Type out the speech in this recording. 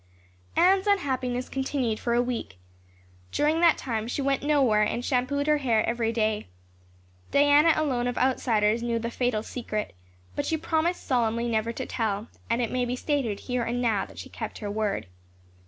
Anne's unhappiness continued for a week. During that time she went nowhere and shampooed her hair every day. Diana alone of outsiders knew the fatal secret, but she promised solemnly never to tell, and it may be stated here and now that she kept her word.